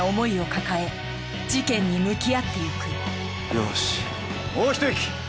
よしもう一息！